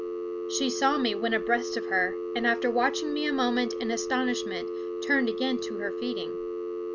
She saw me when abreast of her, and after watching me a moment in astonishment turned again to her feeding.